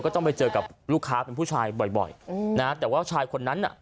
ต้องไปเจอกับลูกค้าเป็นผู้ชายบ่อยอืมนะฮะแต่ว่าชายคนนั้นน่ะ